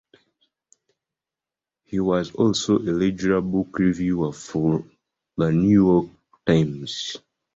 He was also a regular book reviewer for the "New York Times".